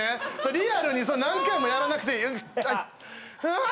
リアルに何回もやらなくていいうん！